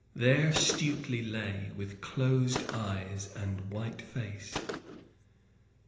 There Stuteley lay, with closed eyes and white face.